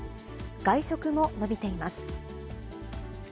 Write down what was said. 外食も伸びています。